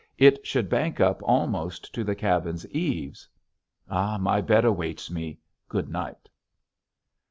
It should bank up almost to the cabin's eaves.... My bed awaits me. Good night.